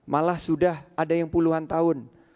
malah sudah ada yang puluhan tahun